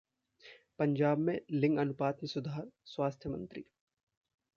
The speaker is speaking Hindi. पंजाब में लिंग अनुपात में सुधार: स्वास्थ्य मंत्री